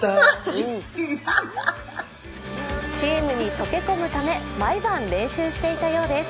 チームに溶け込むため、毎晩練習していたようです。